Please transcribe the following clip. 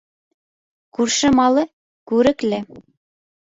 Күрше малы күрекле.